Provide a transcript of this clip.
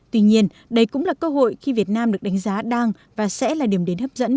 tuy nhiên đây cũng là cơ hội khi việt nam được đánh giá đang và sẽ là điểm đến hấp dẫn